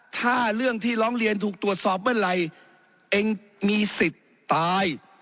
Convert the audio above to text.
ถ้าเรื่องที่ร้องเรียนถูกตรวจสอบเมื่อไหร่เองมีสิทธิ์ตาย